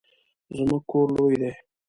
زموږ کور لوی دی